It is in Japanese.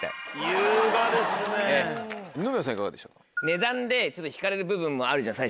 値段でちょっと引かれる部分もあるじゃん